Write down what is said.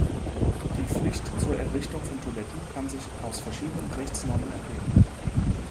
Die Pflicht zur Errichtung von Toiletten kann sich aus verschiedenen Rechtsnormen ergeben.